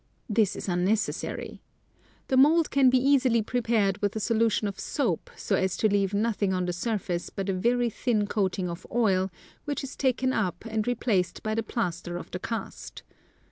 This is unnecessary. The mould can be easily prepared with a solution of soap so as to leave nothing on the surface but a very thin coating of oil, which is taken up and replaced by the plaster of the cast.